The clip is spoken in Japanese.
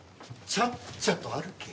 ちゃっちゃと歩け。